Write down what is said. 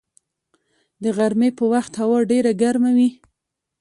د غرمې په وخت هوا ډېره ګرمه وي